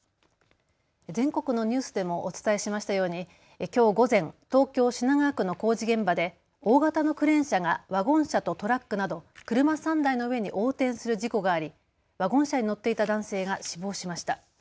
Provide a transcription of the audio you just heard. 全国のニュースでもお伝えしましたようにきょう午前、東京品川区の工事現場で大型のクレーン車がワゴン車とトラックなど車３台の上に横転する事故がありワゴン車に乗っていた男性が死亡しました。